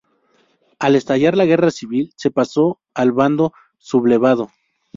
Al estallar la guerra civil, se pasó al bando sublevado.